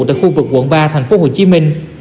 tại khu vực quận ba tp hồ chí minh